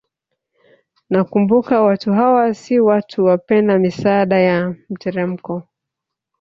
Nakumbuka watu hawa si watu wapenda misaada ya mteremko